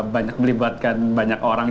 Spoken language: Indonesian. banyak melibatkan banyak orang